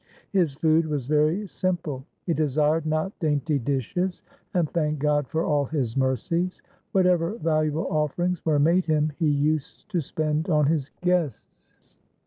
His food was very simple. He desired not dainty dishes, and thanked God for all His mercies. Whatever valuable offerings were made him he used to spend on his guests.